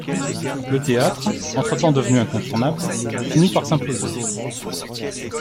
Le théâtre, entre-temps devenu incontournable, finit par s'imposer.